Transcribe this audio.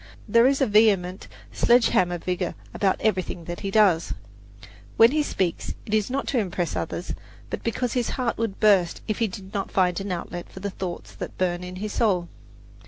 There is a vehement, sledge hammer vigour about everything that he does. When he speaks, it is not to impress others, but because his heart would burst if he did not find an outlet for the thoughts that burn in his soul.